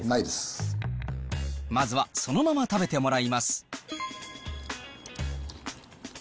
まずはそのまま食べてもらいます。